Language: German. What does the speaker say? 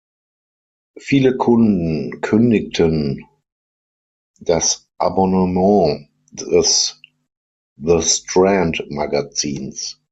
Viele Kunden kündigten das Abonnement des The-Strand-Magazins.